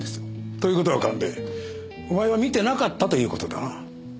という事は神戸お前は見てなかったという事だな。